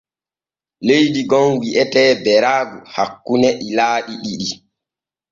Leydi gom wi’etee Beraagu hakkune ilaaɗi ɗiɗi.